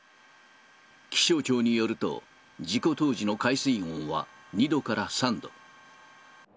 気象庁によると、事故当時の海水温は２度から３度。